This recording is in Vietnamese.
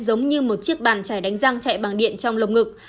giống như một chiếc bàn trẻ đánh răng chạy bằng điện trong lồng ngực